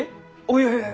いやいや。